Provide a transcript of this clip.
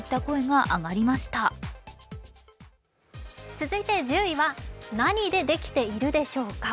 続いて１０位は何で出来ているでしょうか。